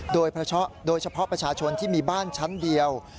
โดยเฉพาะประชาชนที่มีบ้านชั้นเดียว